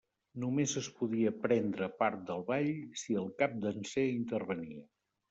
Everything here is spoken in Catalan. Només es podia prendre part del ball si el Capdanser intervenia.